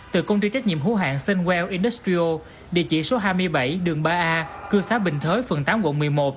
từ công ty trách nhiệm hữu hạn sunwell industries địa chỉ số hai mươi bảy đường ba a cư xá bình thới phần tám gộng một mươi một